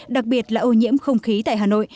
đặc biệt là ô nhiễm không khí tại hà nội